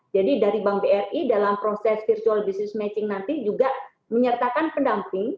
jadi dari bank bri dalam proses virtual business matching nanti juga menyertakan pendamping